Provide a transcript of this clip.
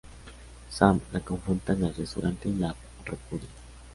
Sam la confronta en el restaurante y la repudia.